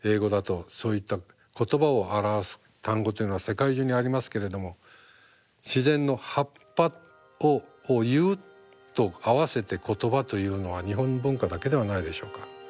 そういった「言葉」を表す単語というのは世界中にありますけれども「自然の葉っぱ」を「言う」と合わせて「言葉」というのは日本文化だけではないでしょうか。